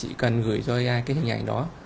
chỉ cần gửi cho ai cái hình ảnh đó